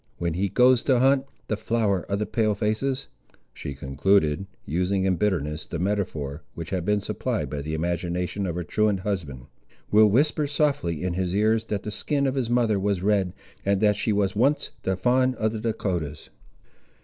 When he goes to hunt, the flower of the Pale faces," she concluded, using in bitterness the metaphor which had been supplied by the imagination of her truant husband, "will whisper softly in his ears that the skin of his mother was red, and that she was once the Fawn of the Dahcotahs."